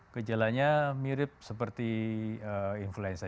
gejalanya mirip seperti influenza